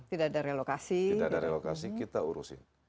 tidak ada relokasi kita urusin